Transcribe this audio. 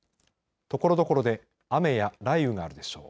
ところどころで雨や雷雨があるでしょう。